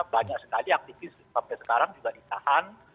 banyak sekali aktivis sampai sekarang juga ditahan